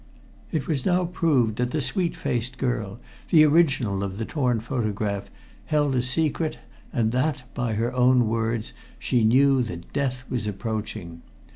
It was now proved that the sweet faced girl, the original of the torn photograph, held a secret, and that, by her own words, she knew that death was approaching.